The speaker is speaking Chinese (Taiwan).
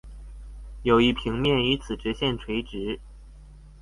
有一平面與此直線垂直